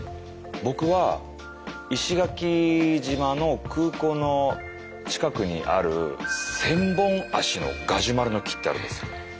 僕は石垣島の空港の近くにある千本足のガジュマルの木ってあるんです。